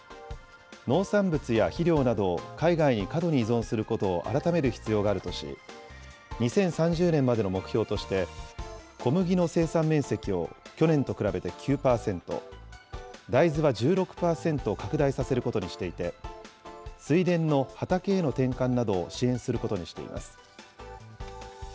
農産物や肥料などを海外に過度に依存することを改める必要があるとし、２０３０年までの目標として、小麦の生産面積を去年と比べて９％、大豆は１６％拡大させることにしていて、水田の畑への転換などを支援することにしています。